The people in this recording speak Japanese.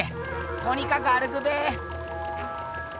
とにかく歩くべ。